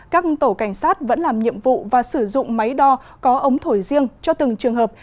các tổ cảnh sát vẫn làm nhiệm vụ và sử dụng máy đo có ống thổi riêng cho từng trường hợp